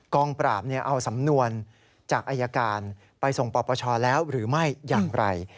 งปราบเอาสำนวนจากอายการไปส่งปปชแล้วหรือไม่อย่างไร